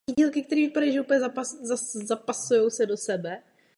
Vila stojí na ne zcela pravidelném obdélníkovém půdorysu.